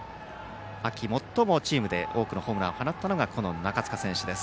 秋、チームで最も多くのホームランを放ったのが中塚選手です。